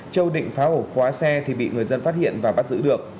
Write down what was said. châu định phá ổ khóa xe thì bị người dân phát hiện và bắt giữ được